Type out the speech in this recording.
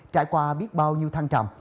trải qua biết bao nhiêu thăng trầm